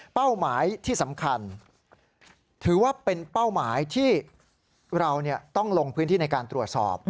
หมายที่สำคัญถือว่าเป็นเป้าหมายที่เราต้องลงพื้นที่ในการตรวจสอบ